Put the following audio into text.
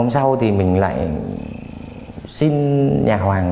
hôm sau thì mình lại xin nhà hoàng